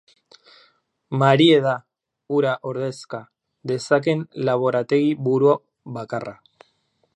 Marie da hura ordezka dezakeen laborategi-buru bakarra.